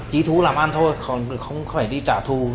chí thú làm ăn thôi không phải đi trả thù